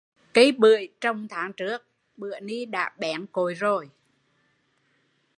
Cây bưởi trồng tháng trước, ni đã bén cội